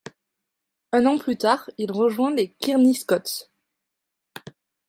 Un an plus tard il rejoint les Kearny Scots.